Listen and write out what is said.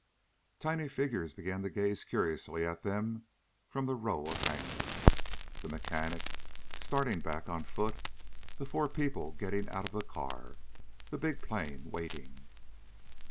Tiny figures began to gaze curiously at them from the row of hangars. The mechanic, starting back on foot, the four people getting out of the car, the big plane waiting....